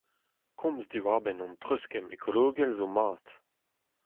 Komz diwar-benn an treuzkemm ekologel zo mat.